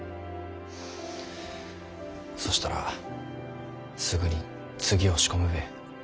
そしたらすぐに次を仕込むべえ。